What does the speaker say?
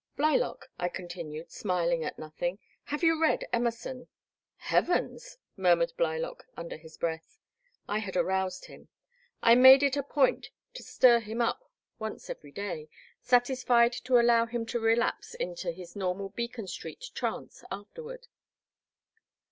"Blylock," I continued, smiling at nothing, "have you read Emerson ?" "Heavens!" murmured Blylock under his breath. I had aroused him. I made it a point to stir him up once every day, satisfied to allow him to relapse into his normal Beacon Street trance afterward.